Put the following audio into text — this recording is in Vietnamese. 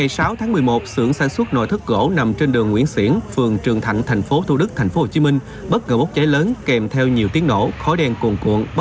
khoảng một mươi h bốn mươi năm phút cùng ngày người dân tại khu vực số một mươi chín đường nguyễn xiển phường trường thạnh thành phố thủ đức thành phố hồ chí minh nghe nhiều tiếng nổ lớn phát ra từ xưởng gỗ